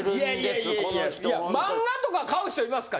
漫画とか買う人いますか？